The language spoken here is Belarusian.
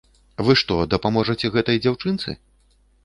Вы што, дапаможаце гэтай дзяўчынцы?